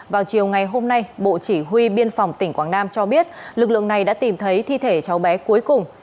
vào chiều ngày hôm nay bộ chỉ huy biên phòng tỉnh quảng nam cho biết lực lượng này đã tìm thấy thi thể cháu bé cuối cùng